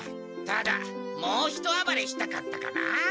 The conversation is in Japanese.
ただもうひとあばれしたかったかな。